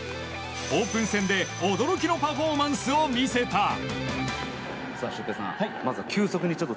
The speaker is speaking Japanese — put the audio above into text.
オープン戦で驚きのパフォーマンスを見せた。